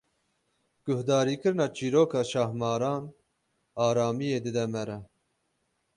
Guhdarîkirina çîroka şahmaran, aramiyê dide mere.